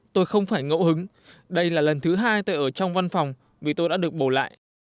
tôi không phải ngẫu hứng đây là lần thứ hai tôi ở trong văn phòng vì tôi đã được bổ lại